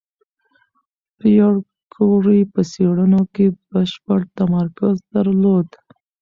پېیر کوري په څېړنو کې بشپړ تمرکز درلود.